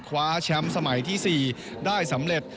คว้าแชมป์สมัยที่๔ได้สำเร็จ